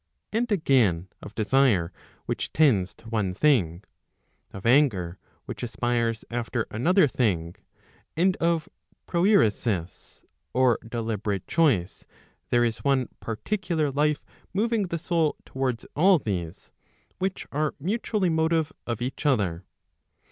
And again, of desire which tends to one thing, of anger which aspires after another thing, and of proairesis, or deliberate choice, there is one particular life moving the soul towards all these, which are mutually motive of each other.